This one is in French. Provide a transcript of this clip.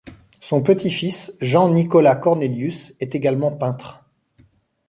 Son petit-fils Jean-Nicolas Cornelius est également peintre.